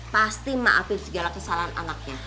pasti maafin segala kesalahan anaknya